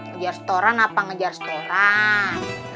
ngejar setoran apa ngejar setoran